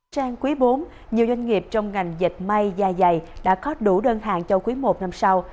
trang quý bốn nhiều doanh nghiệp trong ngành dịch may dài dày đã có đủ đơn hàng cho quý i năm sau